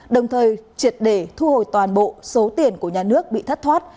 đồng thời triệt để thu hồi toàn bộ số tiền của nhà nước bị thất thoát